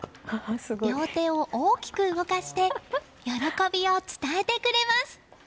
両手を大きく動かして喜びを伝えてくれます。